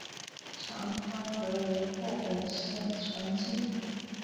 长滩河流过本乡全境。